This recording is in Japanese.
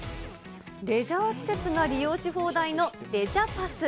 レジャー施設が利用し放題のレジャパス。